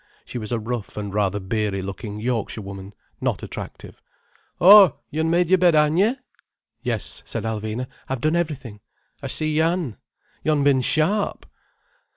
She was a rough and rather beery looking Yorkshire woman, not attractive. "Oh, yo'n made yer bed then, han' yer!" "Yes," said Alvina. "I've done everything." "I see yer han. Yo'n bin sharp."